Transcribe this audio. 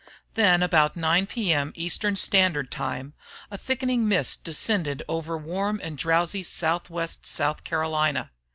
Then about 9 P.M. Eastern Standard Time, a thickening mist descended over warm and drowsy southwest South Carolina.